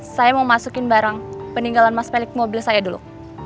saya mau masukin barang peninggalan mas pelik mobil saya dulu